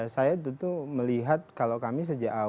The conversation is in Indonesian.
saya tentu melihat kalau kami sejak awal